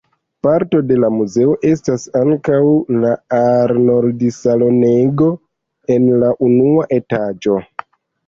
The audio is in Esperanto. Parto de la muzeo estas ankaŭ la Arnoldi-salonego en la unua etaĝo.